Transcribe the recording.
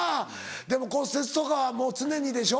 でも骨折とかはもう常にでしょ？